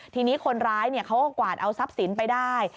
ทีนี้คนร้ายเขาก็กวาดเอาทรัพย์สินไปได้